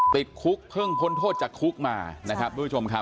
ติดคุกเพิ่งพ้นโทษจากคุกมานะครับทุกผู้ชมครับ